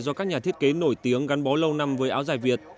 do các nhà thiết kế nổi tiếng gắn bó lâu năm với áo dài việt